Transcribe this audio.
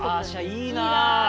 いいなあ。